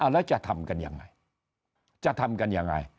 แล้วจะทำกันยังไงจะทำกันยังไง